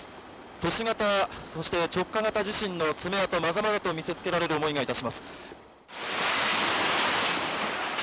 都市型、そして直下型地震の爪痕、まざまざと見せつけられる思いがいたします。